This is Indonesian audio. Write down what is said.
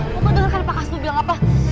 aku denger kan pak kasbu bilang apa